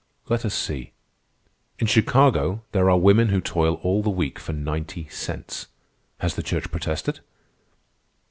"Let us see. In Chicago there are women who toil all the week for ninety cents. Has the Church protested?"